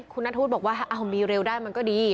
คุณนัทธวุฒิบอกว่ามีเร็วได้มันก็ดี